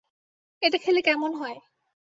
এটা খেলে কেমন হয়?